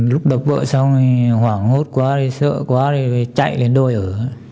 lúc đập vợ xong hoảng hốt quá sợ quá chạy lên đôi ở